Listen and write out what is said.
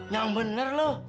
yang bener lo